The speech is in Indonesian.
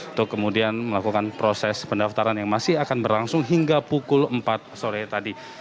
untuk kemudian melakukan proses pendaftaran yang masih akan berlangsung hingga pukul empat sore tadi